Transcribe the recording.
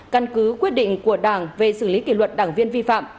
căn cứ quyết định của đảng về xử lý kỷ luật đảng viên vi phạm